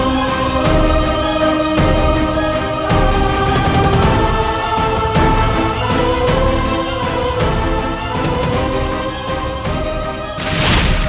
masakan jurus sempat pasar ini